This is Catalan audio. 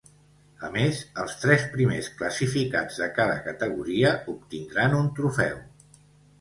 A més, els tres primers classificats de cada categoria obtindran un trofeu.